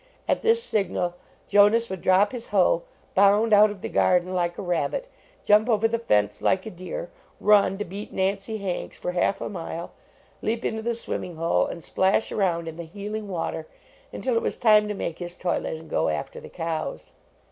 At this signal Jonas would drop his hoc, bound out of the no JONAS garden like a rabbit, jump over the fence like a deer, run to beat Nancy Hanks for half a mile, leap into the swimming hole and splash around in the healing water until it was time to make his toilet and go after the cows.